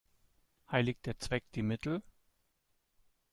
Heiligt der Zweck die Mittel?